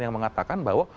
yang mengatakan bahwa